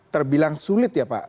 terbilang sulit ya pak